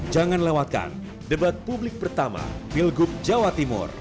jangan lewatkan debat publik pertama pilgub jawa timur